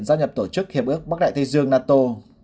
giao nhập tổ chức hiệp ước bắc đại thây dương nato